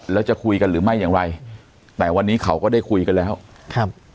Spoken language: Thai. แล้วจะคุยกันหรือไม่อย่างไรแต่วันนี้เขาก็ได้คุยกันแล้วครับ